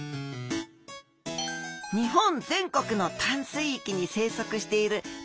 日本全国の淡水域に生息しているドジョウちゃん。